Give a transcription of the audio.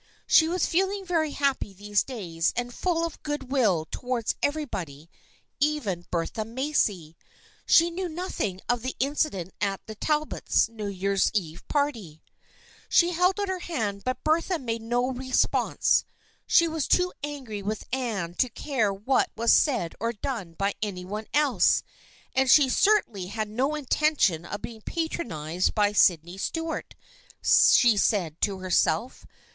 She was feeling very happy these days and full of good will towards everybody, even Bertha Macy. She knew nothing of the incident at the Talbots* New Year's Eve party. She held out her hand but Bertha made no re sponse. She was too angry with Anne to care what was said or done by any one else, and she certainly had no intention of being patronized by Sydney Stuart, she said to herself.